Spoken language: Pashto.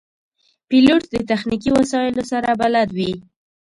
پیلوټ د تخنیکي وسایلو سره بلد وي.